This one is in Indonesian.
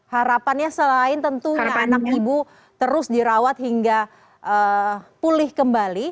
harapannya selain tentunya anak ibu terus dirawat hingga pulih kembali